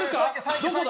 どこだ？